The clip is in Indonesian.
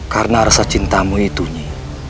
karena rasa cintamu itu nyi